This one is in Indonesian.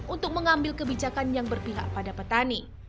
untuk mengambil kebijakan yang berpihak pada petani